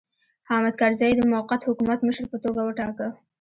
حامد کرزی یې د موقت حکومت مشر په توګه وټاکه.